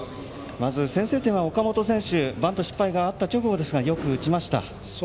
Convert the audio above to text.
先制点は岡本選手のバント失敗があった直後ですがよく打ちました。